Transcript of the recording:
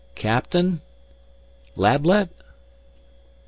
"Captain? Lablet?"